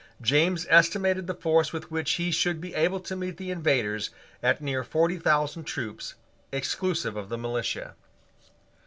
James estimated the force with which he should be able to meet the invaders at near forty thousand troops, exclusive of the militia.